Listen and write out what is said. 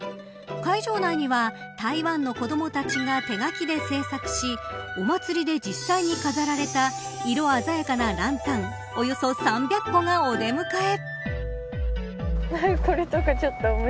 会場内には台湾の子どもたちが手書きで制作しお祭りで実際に飾られた色鮮やかなランタンおよそ３００個がお出迎え。